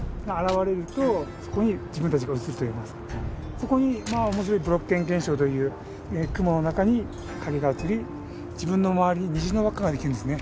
そこに面白い「ブロッケン現象」という雲の中に影が映り自分の周りに虹の輪っかができるんですね。